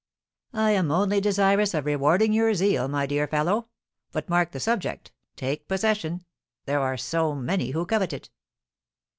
"I am only desirous of rewarding your zeal, my dear fellow; but mark the subject take possession; there are so many who covet it."